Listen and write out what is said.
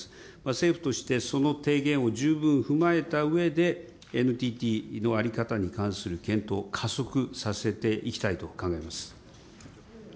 政府としてその提言を十分踏まえたうえで、ＮＴＴの在り方に関する検討を加速させていきたいと考えます。